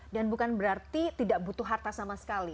dan bukan berarti tidak butuh harta sama sekali